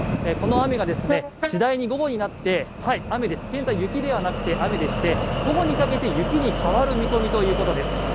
この雨が次第に午後になって現在、雪ではなくて雨でして午後にかけて雪に変わる見込みということです。